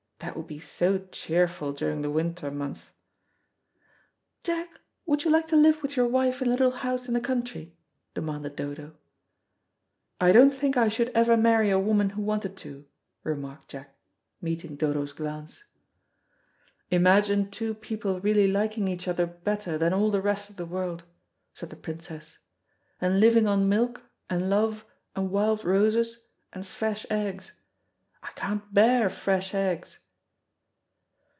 That would be so cheerful during the winter months." "Jack, would you like to live with your wife in a little house in the country?" demanded Dodo. "I don't think I should ever marry a woman who wanted to," remarked Jack, meeting Dodo's glance. "Imagine two people really liking each other better than all the rest of the world," said the Princess, "and living on milk, and love, and wild roses, and fresh eggs! I can't bear fresh eggs."